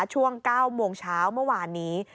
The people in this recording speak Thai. ช่วง๙โมงเช้าเมื่อวานนี้